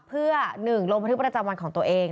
เพื่อ๑ลงบันทึกประจำวันของตัวเอง